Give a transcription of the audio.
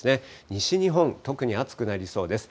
西日本、特に暑くなりそうです。